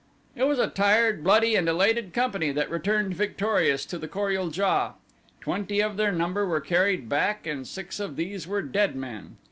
It was a tired, bloody, and elated company that returned victorious to the Kor ul JA. Twenty of their number were carried back and six of these were dead men.